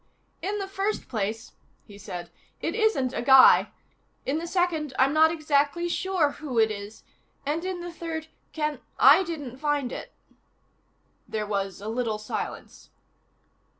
"In the first place," he said, "it isn't a guy. In the second, I'm not exactly sure who it is. And in the third, Ken, I didn't find it." There was a little silence.